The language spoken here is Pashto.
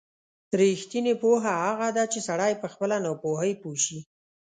رښتینې پوهه هغه ده چې سړی په خپله ناپوهۍ پوه شي.